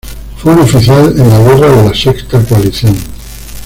Fue un oficial en la Guerra de la Sexta Coalición.